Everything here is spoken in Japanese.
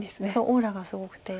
オーラがすごくて。